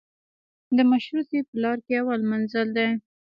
د مشروطې په لار کې اول منزل دی.